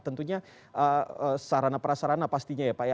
tentunya sarana perasarana pastinya ya pak